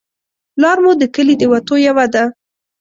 لار مو د کلي د وتو یوه ده